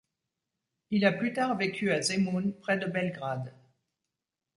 Il a plus tard vécu à Zemun, près de Belgrade.